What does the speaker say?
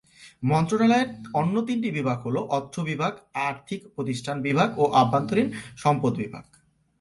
মন্ত্রণালয়ের অন্য তিনটি বিভাগ হলো: অর্থ বিভাগ, আর্থিক প্রতিষ্ঠান বিভাগ ও অভ্যন্তরীণ সম্পদ বিভাগ।